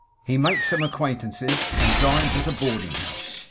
HE MAKES SOME ACQUAINTANCES, AND DINES AT A BOARDING HOUSE.